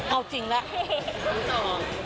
เอาจริงแล้ว